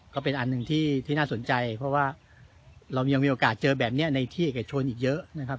ก็เป็นอันหนึ่งที่น่าสนใจเพราะว่าเรายังมีโอกาสเจอแบบนี้ในที่เอกชนอีกเยอะนะครับ